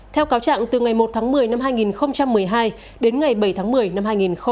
theo cáo trạng từ ngày một tháng một mươi năm hai nghìn một mươi hai đến ngày bảy tháng một mươi năm hai nghìn một mươi bảy